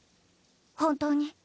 本当に？